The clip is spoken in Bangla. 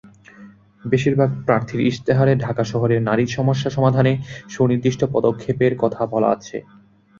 বেশিরভাগ প্রার্থীর ইশতেহারে ঢাকা শহরে নারীর সমস্যা সমাধানে সুনির্দিষ্ট পদক্ষেপের কথা বলা আছে।